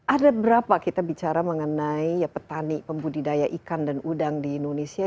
ada berapa kita bicara mengenai petani pembudidaya ikan dan udang di indonesia